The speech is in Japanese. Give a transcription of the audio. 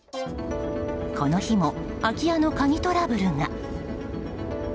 この日も、空き家の鍵トラブルが。